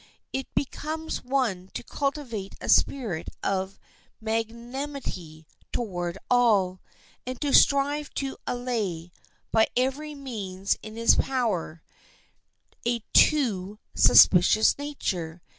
It becomes one to cultivate a spirit of magnanimity toward all, and to strive to allay, by every means in his power, a too suspicious nature.